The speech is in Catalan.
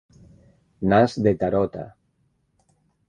Nas de tarota.